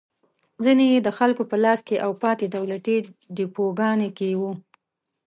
ځینې یې د خلکو په لاس کې او پاتې دولتي ډېپوګانو کې وو.